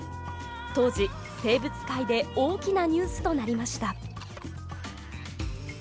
当時生物界で大きなニュースとなりました。